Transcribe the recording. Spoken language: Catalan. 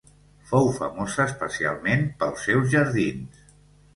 Fou famosa especialment pels seus jardins.